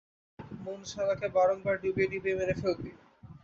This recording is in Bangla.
এরূপে মন-শালাকে বারংবার ডুবিয়ে ডুবিয়ে মেরে ফেলবি।